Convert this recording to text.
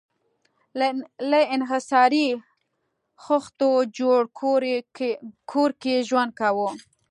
له انحصاري خښتو جوړ کور کې ژوند کاوه.